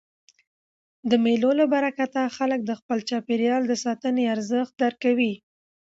د مېلو له برکته خلک د خپل چاپېریال د ساتني ارزښت درکوي.